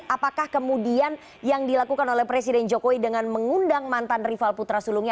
apakah kemudian yang dilakukan oleh presiden jokowi dengan mengundang mantan rival putra sulungnya